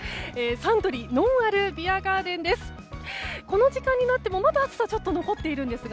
「サントリーのんあるビアガーデン」です。